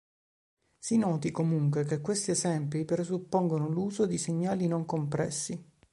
Si noti, comunque, che questi esempi presuppongono l'uso di segnali "non compressi".